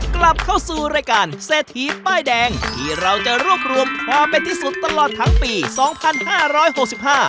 กลับเข้าสู่รายการเศรษฐีป้ายแดงที่เราจะรวบรวมความเป็นที่สุดตลอดทั้งปีสองพันห้าร้อยหกสิบห้า